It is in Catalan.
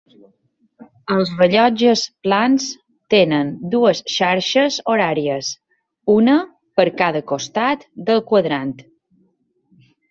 Els rellotges plans tenen dues xarxes horàries, una per cada costat del quadrant.